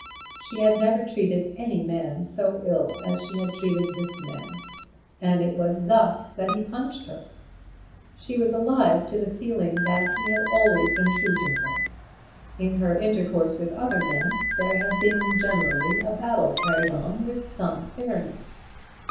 She had never treated any man so ill as she had treated this man; and it was thus that he punished her! She was alive to the feeling that he had always been true to her. In her intercourse with other men there had been generally a battle carried on with some fairness.